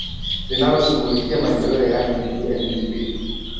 linaloshughulikia maendeleo yaani undp